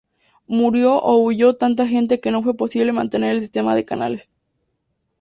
Murió o huyó tanta gente que no fue posible mantener el sistema de canales.